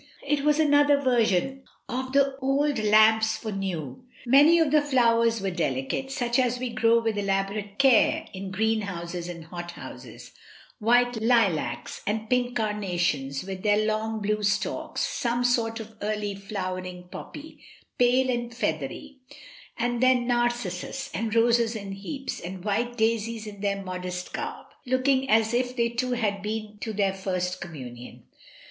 It was another version of the old lamps for new. Many of the flowers were delicate, such as we grow with elaborate care in greenhouses and hothouses white lilacs, and pink carnations with their long blue stalks, some sort of early flowering poppy, pale and feathery, and then narcissus and roses in heaps, and white daisies in their modest garb, looking as INCENSE AND VIOLETS. 65 if they too had been to their first communion.